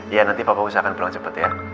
iya nanti papa usahakan pulang cepet ya